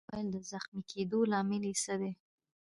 ويې ویل: د زخمي کېدو لامل يې څه دی؟